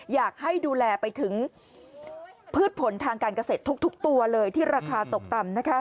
อยากให้ดูแลไปถึงพืชผลทางการเกษตรทุกตัวเลยที่ราคาตกต่ำ